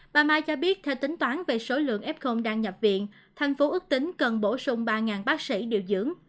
bà mai cho biết theo tính toán về số lượng f đang nhập viện thành phố ước tính cần bổ sung ba bác sĩ điều dưỡng